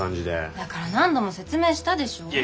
だから何度も説明したでしょ？